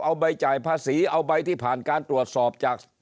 เอาใบจ่ายภาษีเอาใบที่ผ่านการตรวจสอบจาก